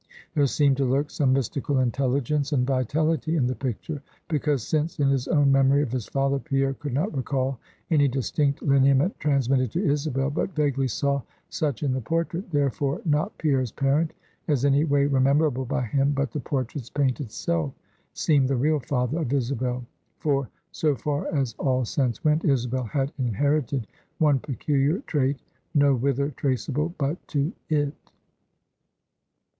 There seemed to lurk some mystical intelligence and vitality in the picture; because, since in his own memory of his father, Pierre could not recall any distinct lineament transmitted to Isabel, but vaguely saw such in the portrait; therefore, not Pierre's parent, as any way rememberable by him, but the portrait's painted self seemed the real father of Isabel; for, so far as all sense went, Isabel had inherited one peculiar trait no whither traceable but to it.